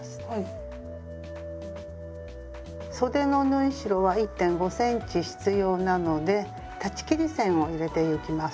そでの縫い代は１．５ｃｍ必要なので裁ち切り線を入れてゆきます。